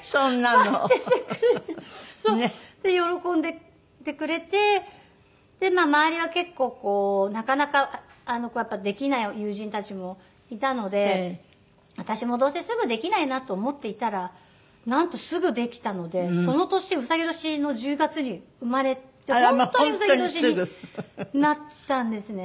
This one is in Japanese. で喜んでてくれて周りは結構なかなかできない友人たちもいたので私もどうせすぐできないなと思っていたらなんとすぐできたのでその年うさぎ年の１０月に生まれて本当にうさぎ年になったんですね。